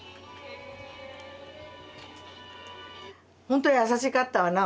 ほんと優しかったわな